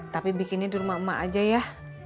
tapi bikinnya di rumah emak aja ya